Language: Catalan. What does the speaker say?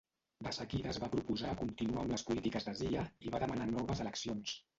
De seguida es va proposar continuar amb les polítiques de Zia i va demanar noves eleccions.